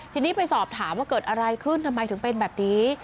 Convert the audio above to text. ทีนี้ไปสอบถามว่าเกิดอะไรขึ้นทำไมถึงเป็นแบบนี้